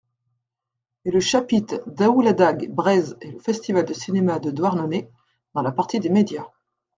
Et le chapitre Daoulagad Breizh et le Festival de cinéma de Douarnenez dans la partie des Médias.